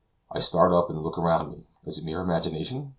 I start up and look around me. Is it merely imagination?